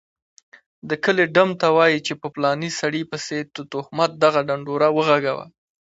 دکلي ډم ته وايي چي په پلاني سړي پسي دتهمت دغه ډنډوره وغږوه